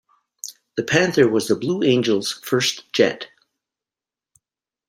The Panther was the Blue Angels' first jet.